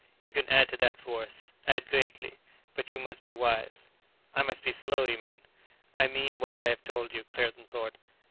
You can add to that force, add greatly; but you must be wise." "I must be slow, you mean." "I mean what I have told you," Claerten thought.